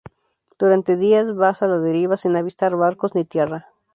Durante días va a la deriva, sin avistar barcos ni tierra.